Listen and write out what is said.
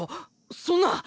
そんな。